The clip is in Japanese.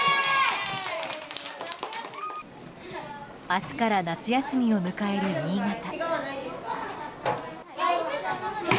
明日から夏休みを迎える新潟。